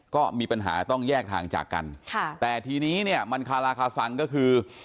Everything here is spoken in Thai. ก็มีปัญหาต้องแยกทางจากกันค่ะแต่ทีนี้เนี่ยมันคาราคาซังก็คือ